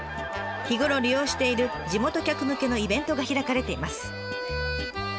日頃利用している地元客向けのイベントが開かれています。